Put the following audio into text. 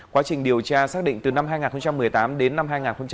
quá trình điều tra xác định từ năm hai nghìn một mươi tám đến năm hai nghìn một mươi chín